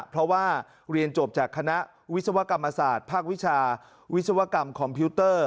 เพราะว่าเรียนจบจากคณะวิศวกรรมศาสตร์ภาควิชาวิศวกรรมคอมพิวเตอร์